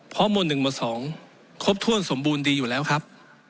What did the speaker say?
เพราะหมวด๑หมวด๒ครบถ้วนสมบูรณ์ดีอยู่แล้วครับ